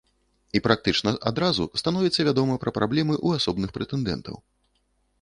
І практычна адразу становіцца вядома пра праблемы ў асобных прэтэндэнтаў.